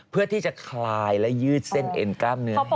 เพื่อที่จะคลายและยืดเส้นเอ็นกล้ามเนื้อให้